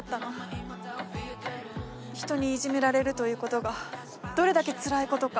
人にいじめられるということがどれだけつらいことか。